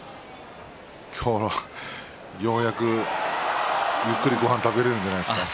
今日はようやく、ゆっくりごはんを食べられるんじゃないですか。